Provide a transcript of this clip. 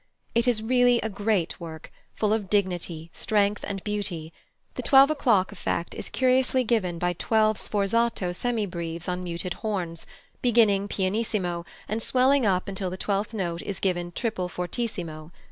It is really a great work, full of dignity, strength, and beauty. The twelve o'clock effect is curiously given by twelve sforzato semibreves on muted horns, beginning pianissimo, and swelling up until the twelfth note is given triple fortissimo.